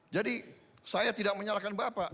jadi saya tidak menyalahkan bapak